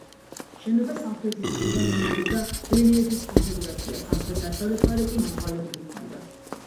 შენობა სამხრეთის მხრიდან იმეორებდა რელიეფის კონფიგურაციას, სამხრეთ-დასავლეთ მხარე კი მომრგვალებული ჰქონდა.